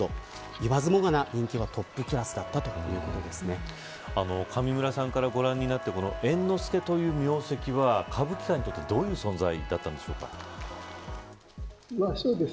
言わずもがな、人気はトップクラスだった上村さんからご覧になって猿之助という名跡は歌舞伎界にとってどういう存在ですか。